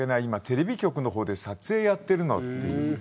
今テレビ局の方で撮影やっているのって。